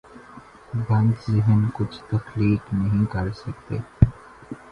بند ذہن کچھ تخلیق نہیں کر سکتے۔